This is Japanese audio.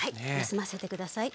休ませて下さい。